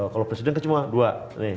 kalau presiden kan cuma dua